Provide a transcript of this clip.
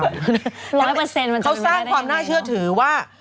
ร้อยเปอร์เซ็นต์มันจะมาได้ยังไงเนอะเขาสร้างความน่าเชื่อถือว่า